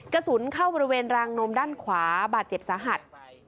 กระสุนเข้าบริเวณรางนมด้านขวาบาดเจ็บสาหัส